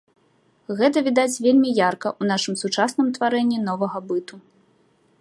Гэта відаць вельмі ярка ў нашым сучасным тварэнні новага быту.